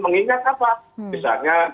mengingat apa misalnya